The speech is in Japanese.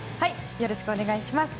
よろしくお願いします。